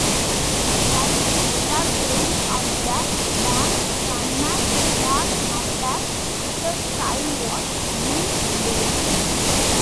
Like the guitar playing of the band's frontman, Mark Knopfler, Withers's style was blues-based.